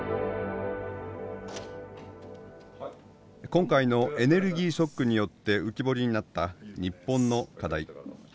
今回のエネルギーショックによって浮き彫りになった日本の課題。